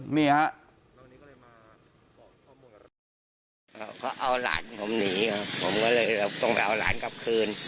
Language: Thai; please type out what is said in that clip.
เขาเอาหลานผมหนีครับผมก็เลยต้องเอาหลานกลับคืน